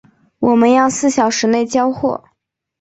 我们要四小时内交货